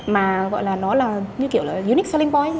mà gọi là nó là như kiểu là unique selling point